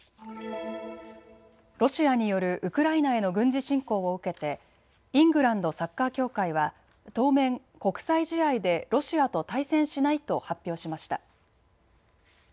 ロシアによるウクライナへの軍事侵攻を受けてイングランドサッカー協会は当面、国際試合でロシアと対戦しないと発表しました。